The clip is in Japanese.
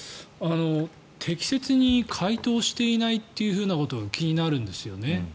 適切に回答していないということが気になるんですよね。